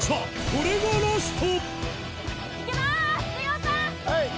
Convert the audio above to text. これがラスト！